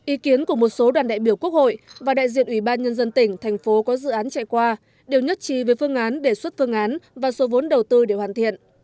ý kiến của một số đoàn đại biểu quốc hội và đại diện ủy ban nhân dân tỉnh thành phố có dự án chạy qua đều nhất trí về phương án đề xuất phương án và số vốn đầu tư để hoàn thiện